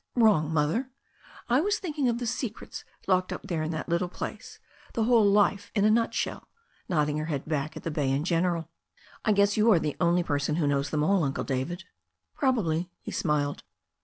"Wrong, Mother. I was thinking of the secrets locked ixp there in that little place, the whole of life in a nutshell," nodding her head back at the bay in general. "I guess yott are the only person who knows them all. Uncle David." "Probably," he smiled.